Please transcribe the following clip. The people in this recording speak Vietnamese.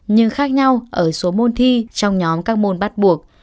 nhưng khác nhau ở số môn thi trong nhóm các môn bắt buộc